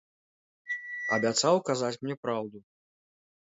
Абяцаў казаць мне праўду.